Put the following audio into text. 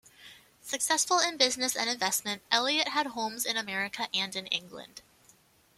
Successful in business and investment, Elliott had homes in America and in England.